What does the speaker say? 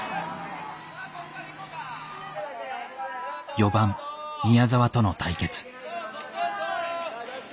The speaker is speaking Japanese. ４番宮澤との対決。